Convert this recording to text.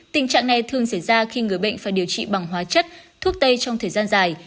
tình trạng này thường xảy ra khi người bệnh phải điều trị bằng hóa chất thuốc tây trong thời gian dài